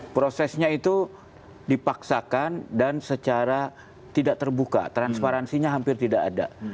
prosesnya itu dipaksakan dan secara tidak terbuka transparansinya hampir tidak ada